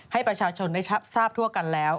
ให้ประชาชนได้ทราบทั่วกันแล้ว